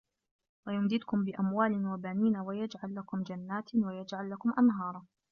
وَيُمدِدكُم بِأَموالٍ وَبَنينَ وَيَجعَل لَكُم جَنّاتٍ وَيَجعَل لَكُم أَنهارًا